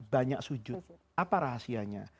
banyak sujud apa rahasianya